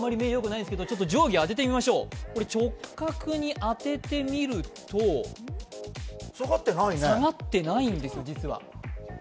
定規当ててみましょう、直角に当ててみると下がってないんですよ、実は。